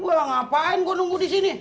wah ngapain gue nunggu di sini